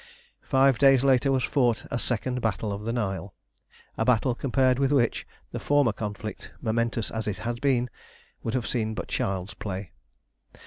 Five days later was fought a second battle of the Nile, a battle compared with which the former conflict, momentous as it had been, would have seemed but child's play.